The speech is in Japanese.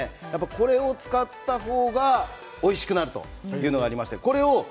これを使った方がおいしくなるということがあります。